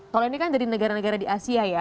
kalau ini kan dari negara negara di asia ya